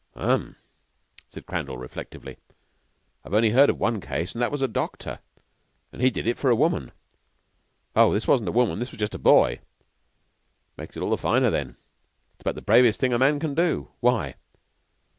"Um," said Crandall, reflectively. "I've only heard of one case, and that was a doctor. He did it for a woman." "Oh, this wasn't a woman. It was just a boy." "Makes it all the finer, then. It's about the bravest thing a man can do. Why?"